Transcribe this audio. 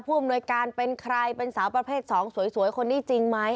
อำนวยการเป็นใครเป็นสาวประเภท๒สวยคนนี้จริงไหม